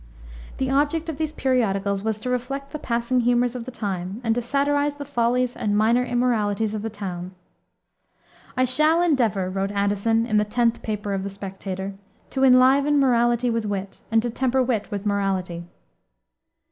The object of these periodicals was to reflect the passing humors of the time, and to satirize the follies and minor immoralities of the town. "I shall endeavor," wrote Addison, in the tenth paper of the Spectator, "to enliven morality with wit, and to temper wit with morality.